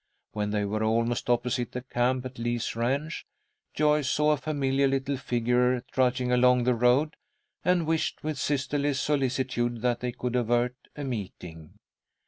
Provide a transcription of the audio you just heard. When they were almost opposite the camp at Lee's ranch, Joyce saw a familiar little figure trudging along the road, and wished with sisterly solicitude that they could avert a meeting.